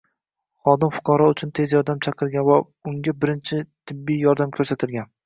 Xodim fuqaro uchun tez yordam chaqirgan va unga birinchi tibbiy yordam ko‘rsatilgan